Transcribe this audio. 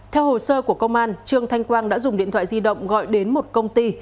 theo hồ sơ của công an trương thanh quang đã dùng điện thoại di động gọi đến một công ty